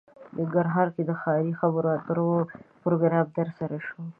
ننګرهار کې د ښاري خبرو اترو پروګرام ترسره شو